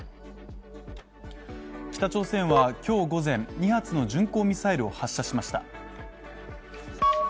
北朝鮮は今日午前、２発の巡航ミサイルを発射しました。